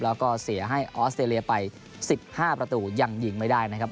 แล้วก็เสียให้ออสเตรเลียไป๑๕ประตูยังยิงไม่ได้นะครับ